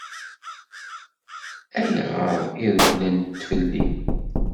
Ayɣer i regglent fell-i?